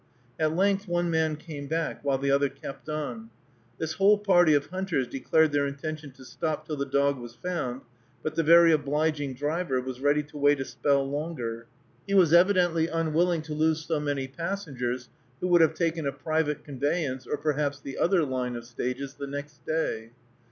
At length one man came back, while the other kept on. This whole party of hunters declared their intention to stop till the dog was found; but the very obliging driver was ready to wait a spell longer. He was evidently unwilling to lose so many passengers, who would have taken a private conveyance, or perhaps the other line of stages, the next day.